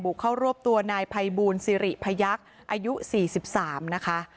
เข้ารวบตัวนายภัยบูลสิริพยักษ์อายุ๔๓นะคะ